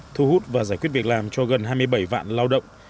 thu hút và giải quyết việc làm cho gần hai mươi bảy vạn lao động